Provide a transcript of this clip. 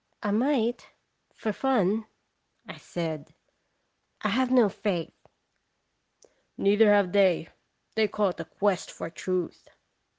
"I might for fun," I said; "I have no faith." "Neither have they; they call it a quest for truth."